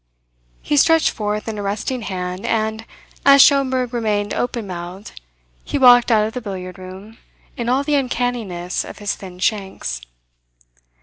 He stretched forth an arresting hand, and, as Schomberg remained open mouthed, he walked out of the billiard room in all the uncanniness of his thin shanks.